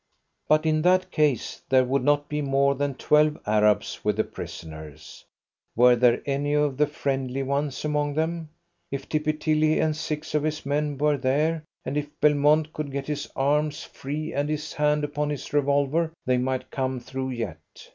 But in that case there would not be more than twelve Arabs with the prisoners. Were there any of the friendly ones among them? If Tippy Tilly and six of his men were there, and if Belmont could get his arms free and his hand upon his revolver, they might come through yet.